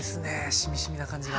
しみしみな感じが。